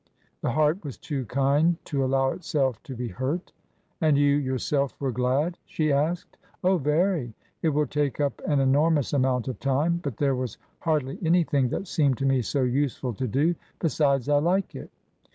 The heart was too kind to allow itself to be hurt. And you yourself were glad ?" she asked. Oh, very. It will take up an enormous amount of time; but there was hardly anything that seemed to me so useful to do. Besides, I like it."